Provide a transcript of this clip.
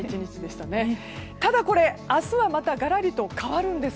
ただ、明日はまたがらりと変わるんです。